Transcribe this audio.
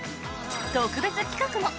特別企画も！